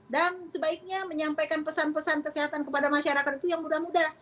dan sebaiknya menyampaikan pesan pesan kesehatan kepada masyarakat itu yang mudah mudah